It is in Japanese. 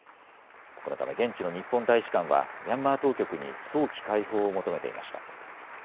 このため現地の日本大使館はミャンマー当局に早期解放を求めていました。